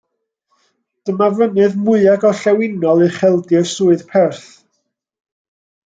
Dyma fynydd mwya gorllewinol ucheldir Swydd Perth.